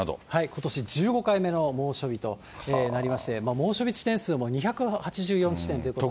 ことし１５回目の猛暑日となりまして、猛暑日地点数も２８４地点ということで。